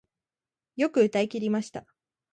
よく歌い切りました